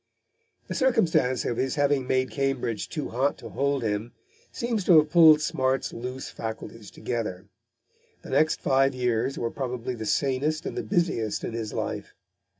The circumstance of his having made Cambridge too hot to hold him seems to have pulled Smart's loose faculties together. The next five years were probably the sanest and the busiest in his life.